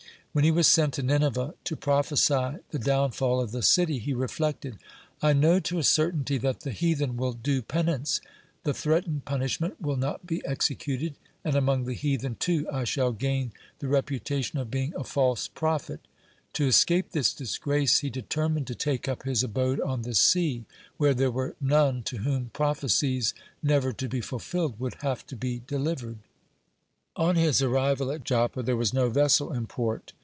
When he was sent to Nineveh to prophesy the downfall of the city, he reflected: "I know to a certainly that the heathen will do penance, the threatened punishment will not be executed, and among the heathen, too, I shall gain the reputation of being a false prophet." (27) To escape this disgrace, he determined to take up his abode on the sea, where there were none to whom prophecies never to be fulfilled would have to be delivered. On his arrival at Joppa, there was no vessel in port.